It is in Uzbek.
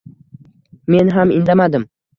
Men ham indamadim.